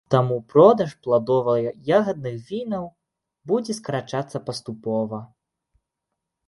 Таму продаж пладова-ягадных вінаў будзе скарачацца паступова.